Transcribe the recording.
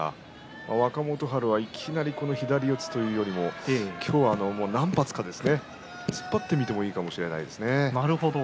若元春はいきなり左四つというよりも今日は何発か突っ張ってみてもいいかもしれません。